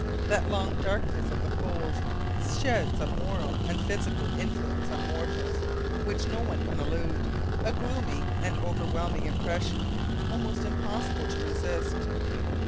That long darkness of the poles sheds a moral and physical influence on mortals which no one can elude, a gloomy and overwhelming impression almost impossible to resist.